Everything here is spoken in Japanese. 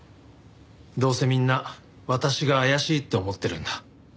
どうせみんな私が怪しいって思ってるんだ。